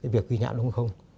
việc ghi nhãn